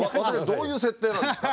どういう設定なんですか？